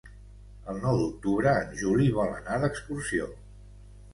El nou d'octubre en Juli vol anar d'excursió.